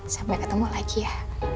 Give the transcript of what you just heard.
sampai ketemu lagi ya